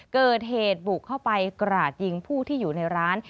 เกิดเหตุบุกเข้าไปกราดยิงผู้ที่อยู่ในร้าน